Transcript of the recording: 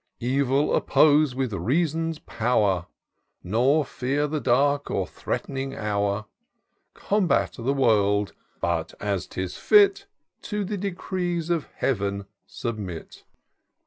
" Evil oppose with Reason's power, Nor fear the dark or threatening hour. Combat the world ;— ^but, as 'tis fit. To the decrees of Heaven submit.